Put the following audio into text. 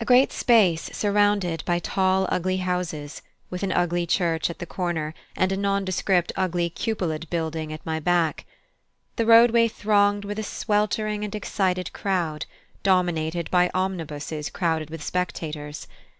A great space surrounded by tall ugly houses, with an ugly church at the corner and a nondescript ugly cupolaed building at my back; the roadway thronged with a sweltering and excited crowd, dominated by omnibuses crowded with spectators.